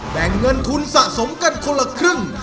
แบ่งเงินทุนสะสมกันคนละครึ่ง